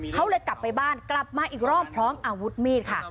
เขาเลยกลับไปบ้านกลับมาอีกรอบพร้อมอาวุธมีดค่ะ